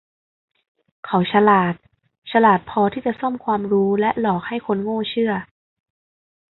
เขาฉลาด ฉลาดพอที่จะซ่อมความรู้และหลอกให้คนโง่เชื่อ